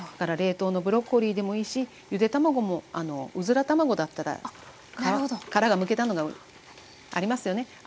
冷凍のブロッコリーでもいいしゆで卵もあのうずら卵だったら殻がむけたのがありますよね。